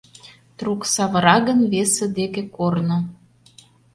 Трук савыра гын весе деке корно